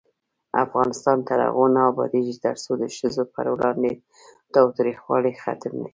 افغانستان تر هغو نه ابادیږي، ترڅو د ښځو پر وړاندې تاوتریخوالی ختم نشي.